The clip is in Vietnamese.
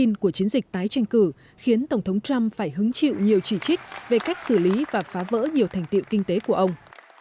các cuộc chiến dịch tái tranh cử khiến tổng thống trump phải hứng chịu nhiều chỉ trích về cách xử lý và phá vỡ nhiều thành tiệu kinh tế của ông